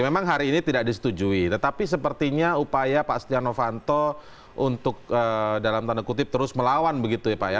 memang hari ini tidak disetujui tetapi sepertinya upaya pak setia novanto untuk dalam tanda kutip terus melawan begitu ya pak ya